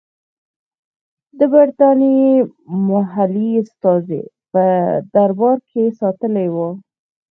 د برټانیې محلي استازی په دربار کې ساتلی وو.